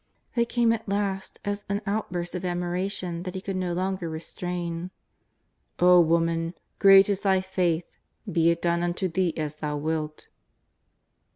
They came at last as an out burst of admiration that He could no longer restrain :'^ O woman, great is thy faith, be it done unto thee as thou wilt